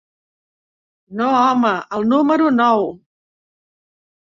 No home, el número nou.